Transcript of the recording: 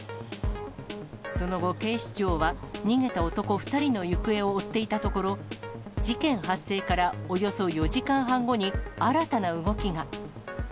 その後、警視庁は逃げた男２人の行方を追っていたところ、事件発生からおよそ４時間半後に、新たな動きが。